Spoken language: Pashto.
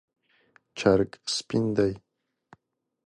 چرګ سپین دی